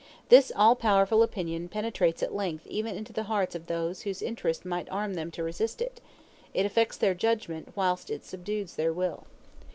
This all powerful opinion penetrates at length even into the hearts of those whose interest might arm them to resist it; it affects their judgment whilst it subdues their will.